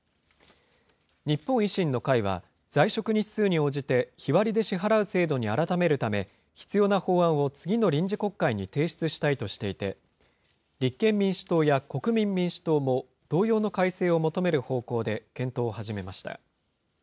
日本維新の会は、在職日数に応じて日割りで支払う制度に改めるため、必要な法案を次の臨時国会に提出したいとしていて、立憲民主党や国民民主党も、同様の改正を求める方向で検討を始めました。